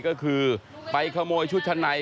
ก็คือไปขโมยชุดชะไน